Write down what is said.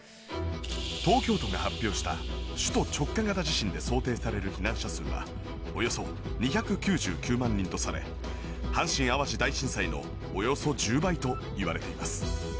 東京都が発表した首都直下型地震で想定される避難者数はおよそ２９９万人とされ阪神・淡路大震災のおよそ１０倍といわれています。